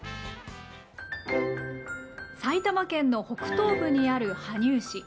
埼玉県の北東部にある羽生市。